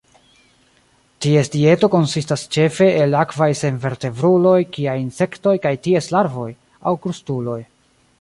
Ties dieto konsistas ĉefe el akvaj senvertebruloj kiaj insektoj kaj ties larvoj, aŭ krustuloj.